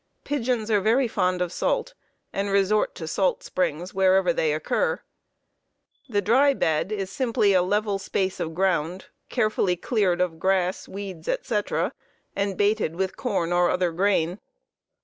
Pigeons are very fond of salt and resort to salt springs wherever they occur. The dry bed is simply a level space of ground carefully cleared of grass, weeds, etc., and baited with corn or other grain.